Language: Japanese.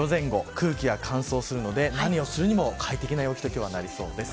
空気が乾燥するので何をするにも快適な陽気となりそうです。